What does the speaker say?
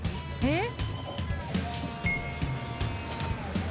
「えっ？」